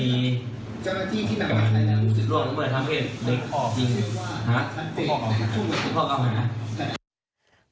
เด็กของจะได้หาครับ